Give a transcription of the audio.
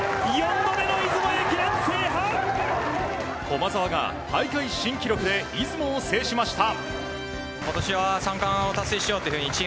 駒澤が大会新記録で出雲を制しました！